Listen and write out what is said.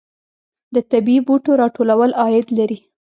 د طبیعي بوټو راټولول عاید لري